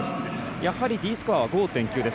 やはりＤスコアは５．９です。